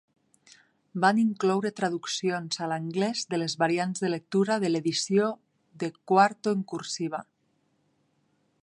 Van incloure traduccions a l'anglès de les variants de lectura de l'edició de quarto en cursiva.